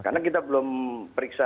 karena kita belum periksa